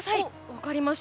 分かりました。